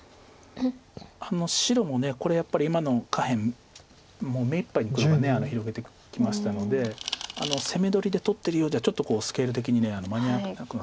白もこれやっぱり今の下辺もう目いっぱいに黒が広げてきましたので攻め取りで取ってるようじゃちょっとスケール的に間に合わなくなってる。